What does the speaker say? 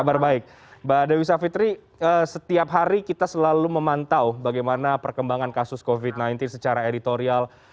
kabar baik mbak dewi savitri setiap hari kita selalu memantau bagaimana perkembangan kasus covid sembilan belas secara editorial